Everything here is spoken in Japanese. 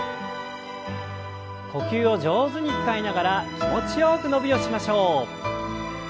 呼吸を上手に使いながら気持ちよく伸びをしましょう。